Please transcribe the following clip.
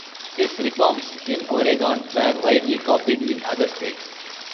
His reforms in Oregon were widely copied in other states.